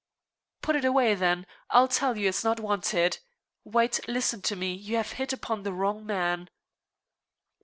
"Put it away, then. I tell you it is not wanted. White, listen to me. You have hit upon the wrong man."